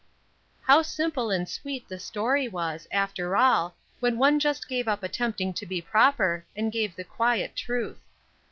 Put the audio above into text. How simple and sweet the story was, after all, when one just gave up attempting to be proper, and gave the quiet truth.